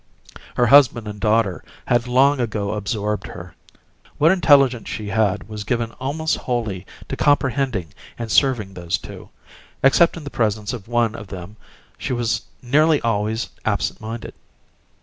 Her husband and her daughter had long ago absorbed her. What intelligence she had was given almost wholly to comprehending and serving those two, and except in the presence of one of them she was nearly always absent minded.